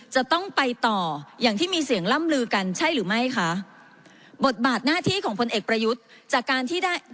จะต้องไปต่ออย่างที่มีเสียงล่ำลือกันใช่หรือไม่คะบทบาทหน้าที่ของพลเอกประยุทธ์จากการที่ได้